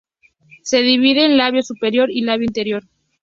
Se divide en labio superior y labio inferior.